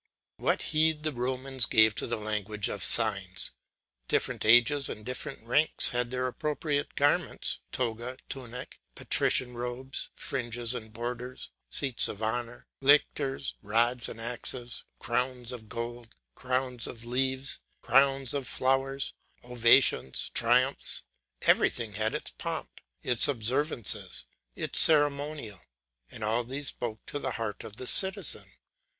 What heed the Romans gave to the language of signs! Different ages and different ranks had their appropriate garments, toga, tunic, patrician robes, fringes and borders, seats of honour, lictors, rods and axes, crowns of gold, crowns of leaves, crowns of flowers, ovations, triumphs, everything had its pomp, its observances, its ceremonial, and all these spoke to the heart of the citizens.